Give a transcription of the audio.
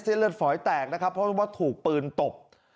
เลือดฝอยแตกนะครับเพราะว่าถูกปืนตบ